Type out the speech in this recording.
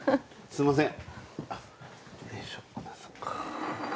すみません。